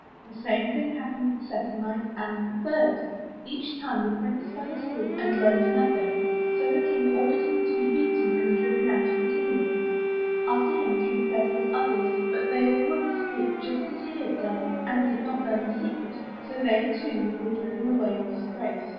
The same thing happened the second night and the third. Each time the Prince fell asleep and learned nothing, so the King ordered him to be beaten and driven out of the kingdom. After him came several others, but 176 UP ONE PAIR OF STAIRS they all went to sleep just as he had done and did not learn the secret, so they, too, were driven away in disgrace.